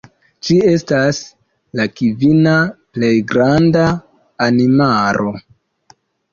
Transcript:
Ĝi estas la kvina plej granda animalo.